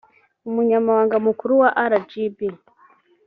umunyamabanga mukuru wa rgb